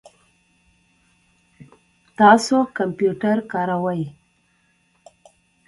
تاسو کمپیوټر کاروئ؟